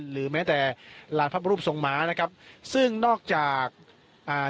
หรือแม้แต่ลานพระบรมรูปทรงหมานะครับซึ่งนอกจากอ่า